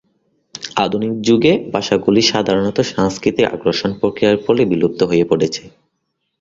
আধুনিক যুগে, ভাষাগুলি সাধারণত সাংস্কৃতিক আগ্রাসন প্রক্রিয়ার ফলে বিলুপ্ত হয়ে পড়েছে।